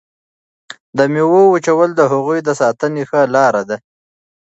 د میوو وچول د هغوی د ساتنې ښه لاره ده.